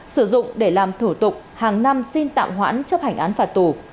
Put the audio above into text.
sử dụng để làm thủ tục hàng năm xin tạm hoãn chấp hành án phạt tù